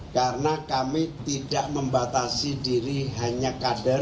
karena kami tidak membatasi diri hanya kader